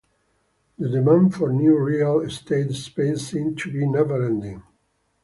The demand for new real estate spaces seemed to be never-ending.